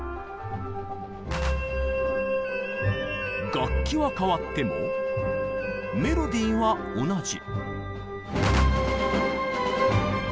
楽器は変わってもメロディーは同じ。